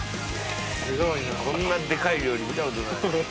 すごいなこんなデカい料理見たことない。